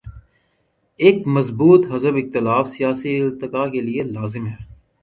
ایک مضبوط حزب اختلاف سیاسی ارتقا کے لیے لازم ہے۔